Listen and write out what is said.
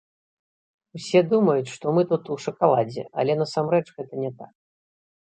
Усе думаюць, што мы тут у шакаладзе, але насамрэч гэта не так.